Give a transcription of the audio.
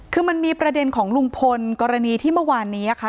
คือมันมีประเด็นของลุงพลกรณีที่เมื่อวานนี้ค่ะ